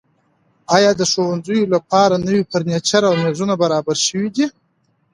ایا د ښوونځیو لپاره نوي فرنیچر او میزونه برابر شوي دي؟